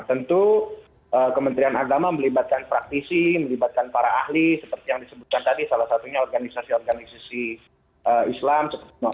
tentu kementerian agama melibatkan praktisi melibatkan para ahli seperti yang disebutkan tadi salah satunya organisasi organisasi islam